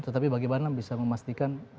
tetapi bagaimana bisa memastikan